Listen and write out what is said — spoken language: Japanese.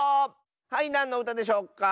はいなんのうたでしょうか？